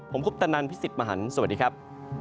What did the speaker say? ผมพุทธนันทร์พี่สิทธิ์มหันธ์สวัสดีครับ